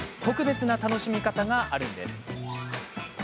特別な楽しみ方があるそうです。